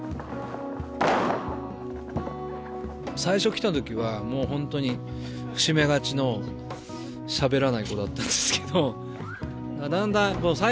最初来たときはもう本当に伏し目がちのしゃべらない子だったんですけどだんだん最初の試合ね